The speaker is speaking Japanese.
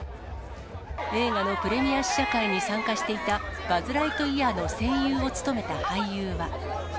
映画のプレミア試写会に参加していた、バズ・ライトイヤーの声優を務めた俳優は。